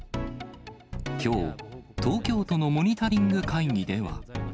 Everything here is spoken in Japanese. きょう、東京都のモニタリング会議では。